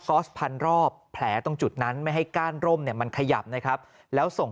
อสพันรอบแผลตรงจุดนั้นไม่ให้ก้านร่มเนี่ยมันขยับนะครับแล้วส่ง